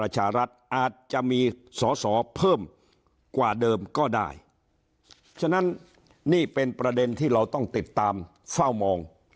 ฉะนั้นนี่เป็นประเด็นที่เราต้องติดตามเฝ้ามอง